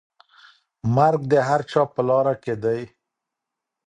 مرګ د هر چا په لاره کي دی.